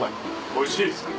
おいしいですか。